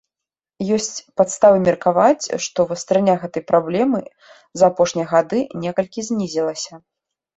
Ёсць падставы меркаваць, што вастрыня гэтай праблемы за апошнія гады некалькі знізілася.